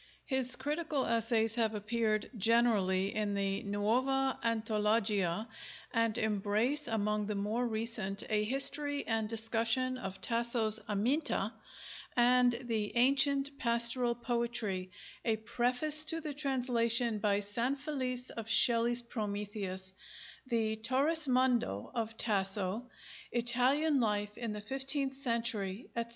His critical essays have appeared generally in the Nuova Antologia, and embrace among the more recent a history and discussion of Tasso's 'Aminta,' and the 'Ancient Pastoral Poetry': a preface to the translation by Sanfelice of Shelley's 'Prometheus'; the 'Torrismondo' of Tasso: 'Italian Life in the Fifteenth Century,' etc.